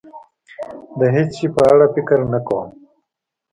د هېڅ شي په اړه ډېر فکر نه کوم.